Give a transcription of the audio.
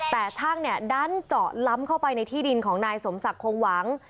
แต่ช่างเนี่ยดันเจาะล้ำเข้าไปในที่ดินของนายสมศักดิ์คงหวัง